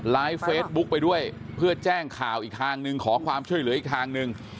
เฟซบุ๊กไปด้วยเพื่อแจ้งข่าวอีกทางหนึ่งขอความช่วยเหลืออีกทางหนึ่ง